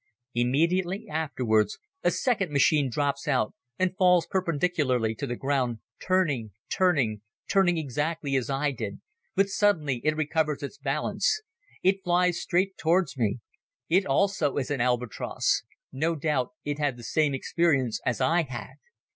Immediately afterwards a second machine drops out and falls perpendicularly to the ground, turning, turning, turning exactly as I did, but suddenly it recovers its balance. It flies straight towards me. It also is an Albatros. No doubt it had the same experience as I had.